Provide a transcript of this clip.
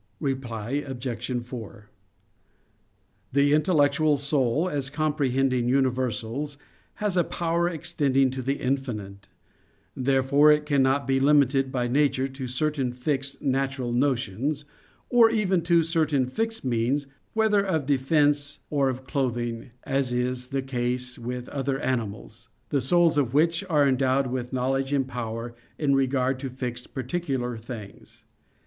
Reply Obj. 4: The intellectual soul as comprehending universals, has a power extending to the infinite; therefore it cannot be limited by nature to certain fixed natural notions, or even to certain fixed means whether of defence or of clothing, as is the case with other animals, the souls of which are endowed with knowledge and power in regard to fixed particular things.